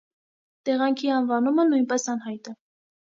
Տեղանքի անվանումը նույնպես անհայտ է։